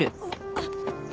あっ。